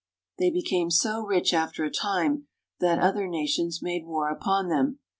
They became so rich after a time that other nations made war upon them.